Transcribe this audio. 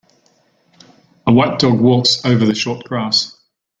A white dog walks over the short grass.